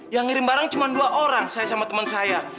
yang ngirim barang cuma dua orang saya sama teman saya